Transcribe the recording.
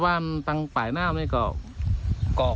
คือสิ่งแบบนี้ต้องบอกว่าเขาเอาชีวิตครอบครัวเขามาแลกเลยนะคะ